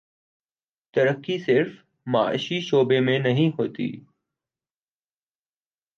ترقی صرف معاشی شعبے میں نہیں ہوتی۔